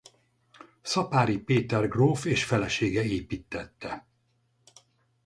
Szapáry Péter gróf és felesége építtette.